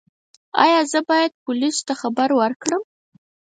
ایا زه باید پولیسو ته خبر ورکړم؟